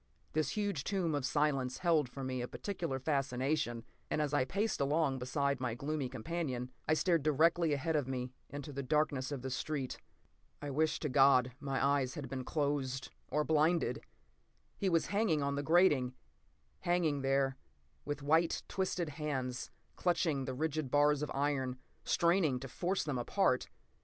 This huge tomb of silence held for me a peculiar fascination, and as I paced along beside my gloomy companion, I stared directly ahead of me into the darkness of the street. I wish to God my eyes had been closed or blinded! He was hanging on the grating. Hanging there, with white, twisted hands clutching the rigid bars of iron, straining to force them apart.